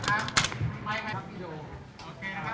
ขอขอบคุณหน่อยนะคะ